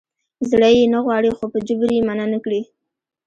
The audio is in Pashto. زړه یې نه غواړي خو په جبر یې منع نه کړي.